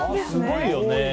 すごいよね。